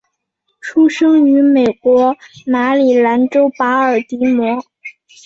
出生于美国马里兰州巴尔的摩。